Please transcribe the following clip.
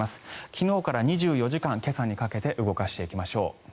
昨日から２４時間今朝にかけて動かしていきましょう。